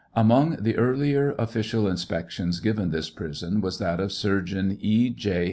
Among the earlier official inspectious given this prison was that of Surgeon E. J.